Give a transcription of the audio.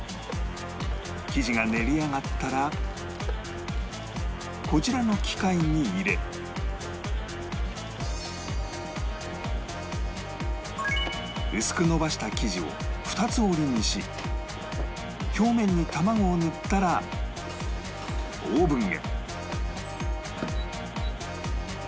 生地が練り上がったらこちらの機械に入れ薄く延ばした生地を２つ折りにし表面に卵を塗ったらオーブンへ